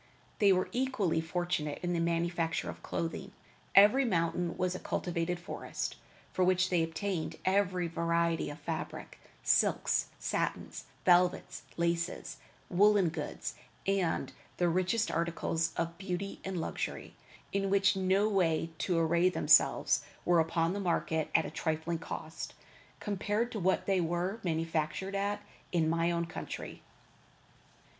They were equally fortunate in the manufacture of clothing. Every mountain was a cultivated forest, from which they obtained every variety of fabric; silks, satins, velvets, laces, woolen goods, and the richest articles of beauty and luxury, in which to array themselves, were put upon the market at a trifling cost, compared to what they were manufactured at in my own country.